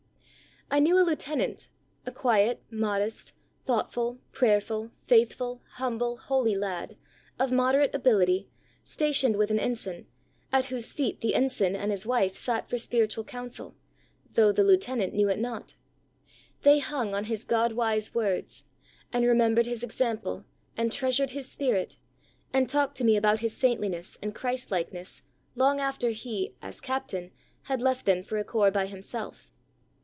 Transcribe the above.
I knew a Lieutenant, a quiet, modest, thoughtful, prayerful, faithful, humble, holy lad, of moderate ability, stationed with an Ensign, at whose feet the Ensign and his wife sat for spiritual counsel, though the Lieutenant knew it not. They hung on his God wise words, and remembered his ex ample, and treasured his spirit, and talked to me about his saintHness and Christlike ness long after he, as Captain, had left them for a corps by himself.